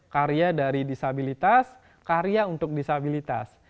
karya dari disabilitas karya untuk disabilitas